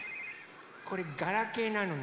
これガラケーなのね。